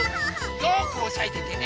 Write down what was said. よくおさえててね。